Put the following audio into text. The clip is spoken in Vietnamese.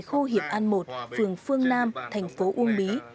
khu hiệp an một phường phương nam thành phố uông bí